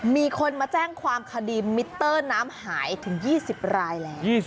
มีคนมาแจ้งความคดีมิเตอร์น้ำหายถึง๒๐รายแล้ว